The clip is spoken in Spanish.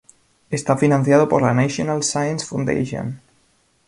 Está financiado por la National Science Foundation.